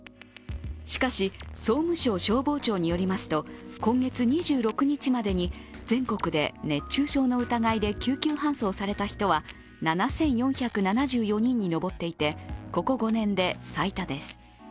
しかし、総務省消防庁によりますと今月２６日までに全国で熱中症の疑いで救急搬送された人は７４７４人に上っていて、ここ５年で最多です。